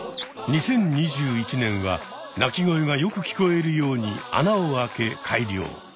２０２１年は鳴き声がよく聞こえるように穴を開け改良。